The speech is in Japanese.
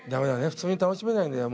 普通に楽しめないんだよ